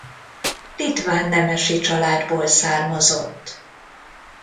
Litván nemesi családból származott.